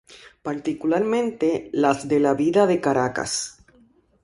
Particularmente, las de la vida de Caracas.